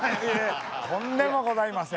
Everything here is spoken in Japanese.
とんでもございません。